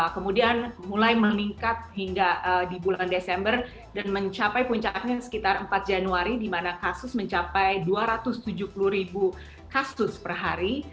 kemudian mulai meningkat hingga di bulan desember dan mencapai puncaknya sekitar empat januari di mana kasus mencapai dua ratus tujuh puluh ribu kasus per hari